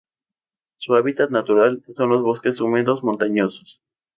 Su hábitat natural son los bosques húmedos montanos.